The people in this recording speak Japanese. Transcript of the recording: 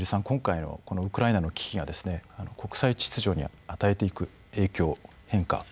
今回のウクライナの危機が国際秩序に与えていく影響、変化